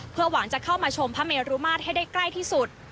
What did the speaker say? เพื่อหวังจะเข้ามาชมพระเมรุมาตรให้ได้ใกล้ที่สุด